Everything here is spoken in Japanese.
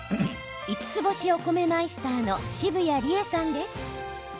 五ツ星お米マイスターの澁谷梨絵さんです。